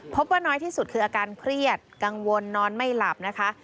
พบว่าน้อยที่สุดคืออาการเครียดกังวลนอนไม่หลับนะคะ